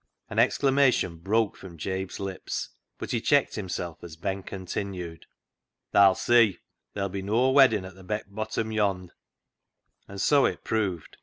An exclamation broke from Jabe's lips, but he checked himself as Ben continued. " Tha'll see, there'll be noa weddin' at th' Beck Bottom yond'." And so it proved.